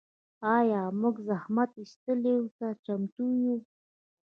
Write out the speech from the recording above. آیا موږ زحمت ایستلو ته چمتو یو؟